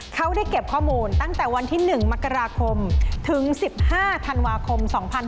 เขาได้เก็บข้อมูลตั้งแต่วันที่๑มกราคมถึง๑๕ธันวาคม๒๕๖๒